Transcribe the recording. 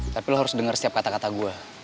tapi lo harus dengar setiap kata kata gue